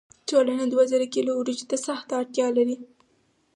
ټولنه دوه زره کیلو وریجو ته سخته اړتیا لري.